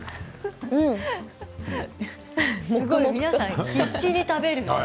皆さん、必死に食べる。